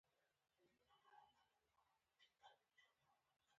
ژبه په عصبیت مړه کېږي.